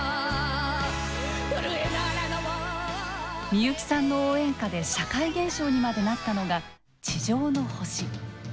みゆきさんの応援歌で社会現象にまでなったのが「地上の星」。